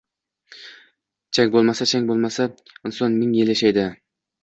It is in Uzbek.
Chang boʻlmasa, jang boʻlmasa, inson ming yil yashaydi